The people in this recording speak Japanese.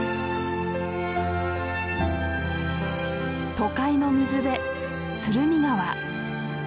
都会の水辺鶴見川。